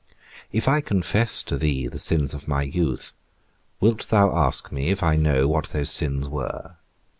If I confess to thee the sins of my youth, wilt thou ask me if I know what those sins were?